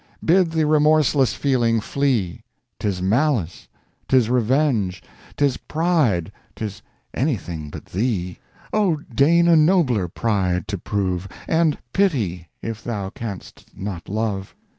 Bid the remorseless feeling flee; 'Tis malice, 'tis revenge, 'tis pride, 'Tis anything but thee; O deign a nobler pride to prove, And pity if thou canst not love."